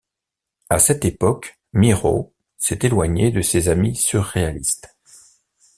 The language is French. À cette époque, Miró s'est éloigné de ses amis surréalistes.